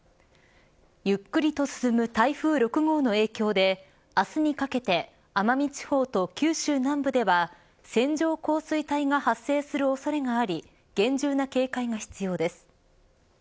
ゆっくりと進む台風６号の影響で明日にかけて奄美地方と九州南部では線状降水帯が発生する恐れがあり厳重な警戒が必要です。